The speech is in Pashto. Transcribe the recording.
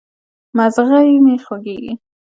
مځغی مي خوږیږي